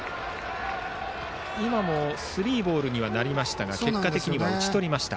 スリーボールにはなりましたが結果的には打ち取りました。